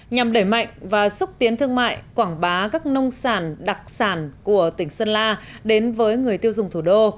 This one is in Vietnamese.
nhằm đẩy mạnh và xúc tiến thương mại quảng bá các nông sản đặc sản của tỉnh sơn la đến với người tiêu dùng thủ đô